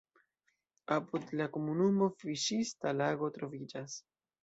Apud la komunumo fiŝista lago troviĝas.